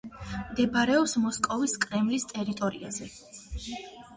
მდებარეობს მოსკოვის კრემლის ტერიტორიაზე.